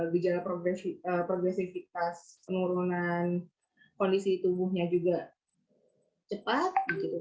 gejala progresivitas penurunan kondisi tubuhnya juga cepat